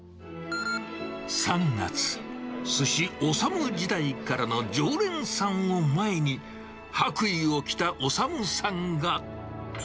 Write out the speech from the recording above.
３月、寿司おさむ時代からの常連さんを前に、白衣を着た修さんが。